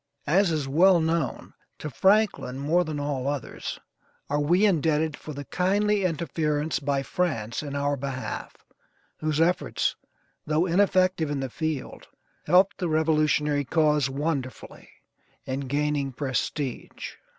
As is well known, to Franklin more than all others, are we indebted for the kindly interference by France in our behalf, whose efforts, though ineffective in the field, helped the revolutionary cause wonderfully in gaining prestige.